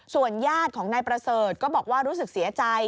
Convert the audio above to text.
ส่วนญาติของนายประเสริฐก็บอกว่ารู้สึกเสียใจ